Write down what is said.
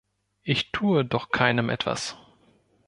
Ich tue doch keinem etwas.